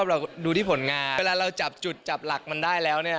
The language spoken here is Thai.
เวลาเราจับจุดจับหลักได้แล้ว